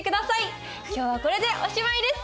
今日はこれでおしまいです。